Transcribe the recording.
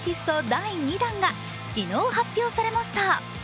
第２弾が昨日発表されました。